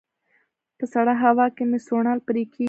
په سړه هوا کې مې سوڼان پرې کيږي